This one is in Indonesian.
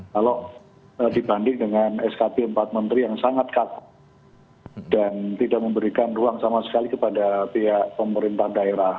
kalau dibanding dengan skb empat menteri yang sangat kaku dan tidak memberikan ruang sama sekali kepada pihak pemerintah daerah